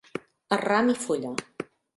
A ram i fulla.